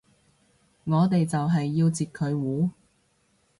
我哋就係要截佢糊